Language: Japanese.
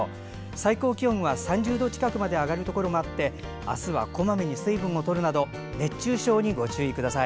最高気温は３０度近くまで上がるところもあってあすはこまめに水分を取るなど熱中症にご注意ください。